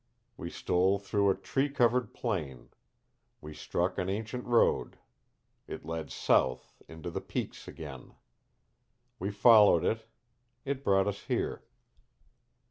We stole through a tree covered plain; we struck an ancient road. It led south, into the peaks again. We followed it. It brought us here.